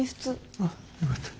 あっよかった。